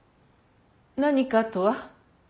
「何か」とは？